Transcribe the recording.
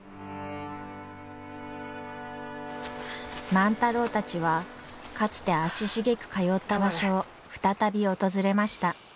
万太郎たちはかつて足しげく通った場所を再び訪れました。